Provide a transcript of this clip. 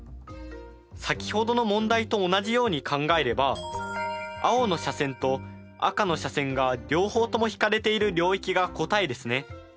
先ほどの問題と同じように考えれば青の斜線と赤の斜線が両方とも引かれている領域が答えですね。